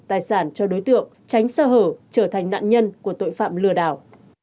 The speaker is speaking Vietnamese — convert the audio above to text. tài sản cho đối tượng tránh sơ hở trở thành nạn nhân của tội phạm lừa đảo